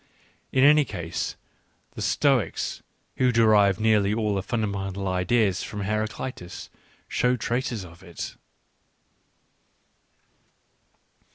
In any case, the Stoics, who derived nearly all their fundamental ideas from Heraclitus, show traces of it.